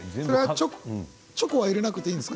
チョコは入れなくていいですか。